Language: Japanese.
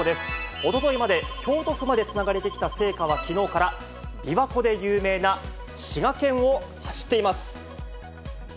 おとといまで京都府までつながれてきた聖火はきのうから、琵琶湖で有名な滋賀県を走っています。